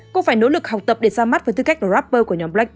cô phải nỗ lực học tập để ra mắt với tư cách rapper của nhóm blackpink